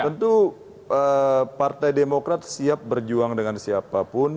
tentu partai demokrat siap berjuang dengan siapapun